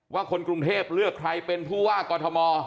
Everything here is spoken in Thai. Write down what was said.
ว่าคนกรุงเทพเลือกเป็นผู้ว่ากอทหมา